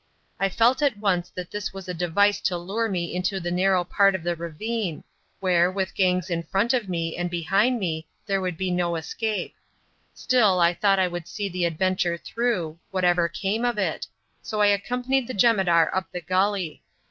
I felt at once that this was a device to lure me into the narrow part of the ravine, where, with gangs in front of me and behind me, there would be no escape; still I thought I would see the adventure through, whatever came of it, so I accompanied the jemadar up the gully.